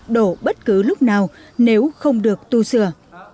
đổ bất cứ lúc nào nếu không được tu sửa